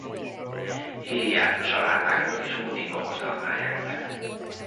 Héját salátákhoz és pudingokhoz használják fel.